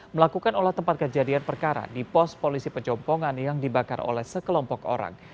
melakukan olah tempat kejadian perkara di pos polisi pejompongan yang dibakar oleh sekelompok orang